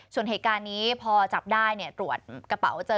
ส่วนเหตุการณ์นี้พอจับได้ตรวจกระเป๋าเจอ